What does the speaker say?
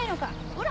ほら。